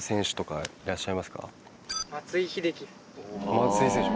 松井選手